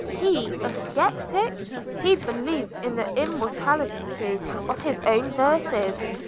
He a sceptic? He believes in the immortality of his own verses.